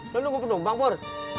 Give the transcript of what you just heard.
lo nunggu penumpang pur